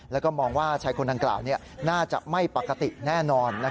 แล้วก็มองว่าชายคนดังกล่าวน่าจะไม่ปกติแน่นอน